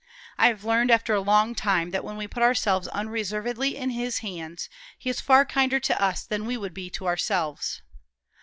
I have learned, after a long time, that when we put ourselves unreservedly in His hands, he is far kinder to us than we would be to ourselves.